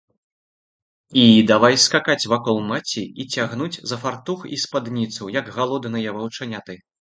І давай скакаць вакол маці і цягнуць за фартух і спадніцу, як галодныя ваўчаняты.